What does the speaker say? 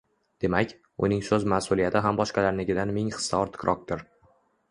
Demak, uning so’z mas’uliyati ham boshqalarnikidan ming hissa ortiqroqdir.